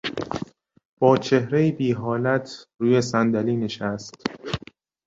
با چهرهای بیحالت روی صندلی نشست.